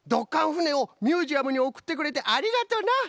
ふねをミュージアムにおくってくれてありがとうな！